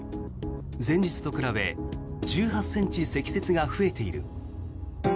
前日と比べ１８ｃｍ積雪が増えている。